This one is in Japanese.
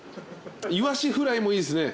イワシフライもいいですね。